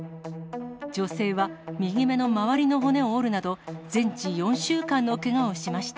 女性は右目の周りの骨を折るなど、全治４週間のけがをしました。